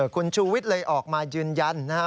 คุณชูวิทย์เลยออกมายืนยันนะฮะ